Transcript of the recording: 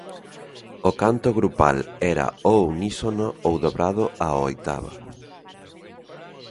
O canto grupal era ao unísono ou dobrado á oitava.